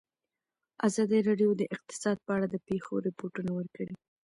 ازادي راډیو د اقتصاد په اړه د پېښو رپوټونه ورکړي.